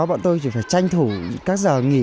bọn tôi chỉ phải tranh thủ các giờ nghỉ